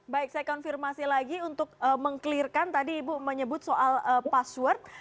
baik saya konfirmasi lagi untuk meng clearkan tadi ibu menyebut soal password